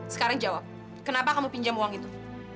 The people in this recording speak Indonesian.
sekarang jawab kenapa kamu pinjam uang itu